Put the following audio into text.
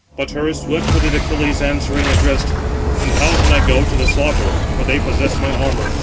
But her swift footed Achilles answering, addressed: "And how can I go to the slaughter? for they possess my armour.